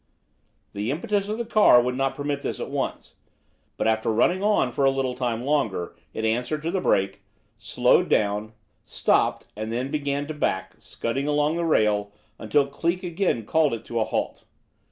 The impetus of the car would not permit of this at once, but after running on for a little time longer it answered to the brake, slowed down, stopped, and then began to back, scudding along the rail until Cleek again called it to a halt.